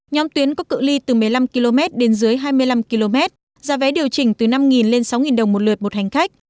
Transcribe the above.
nhóm tuyến có cự li từ một mươi năm km đến dưới hai mươi năm km giá vé điều chỉnh từ năm lên sáu đồng một lượt một hành khách